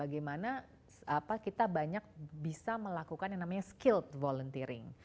gimana kita banyak bisa melakukan yang namanya skilled volunteering